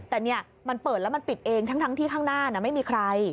แต่เนี่ยมันเปิดแล้วมันปิดเองทั้งที่ข้างหน้าไม่มีใคร